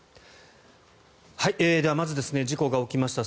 では、まず事故が起きました